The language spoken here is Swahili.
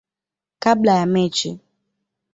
kabla ya mechi.